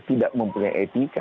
tidak mempunyai etika